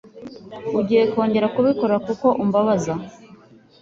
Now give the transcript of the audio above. Ugiye kongera kubikora kuko umbabaza?